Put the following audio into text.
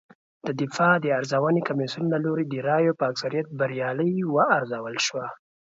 د دفاع د ارزونې کمېسیون له لوري د رایو په اکثریت بریالۍ وارزول شوه